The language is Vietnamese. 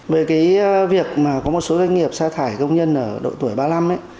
về cái việc mà có một số doanh nghiệp xa thải công nhân ở độ tuổi ba mươi năm ấy